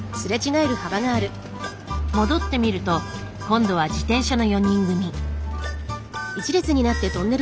戻ってみると今度は自転車の４人組。